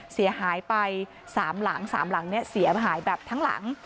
เสียหายไป๓หลัง๓หลังเนี่ยเสียหายแบบทั้งหลัง